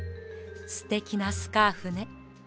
すてきなスカーフね。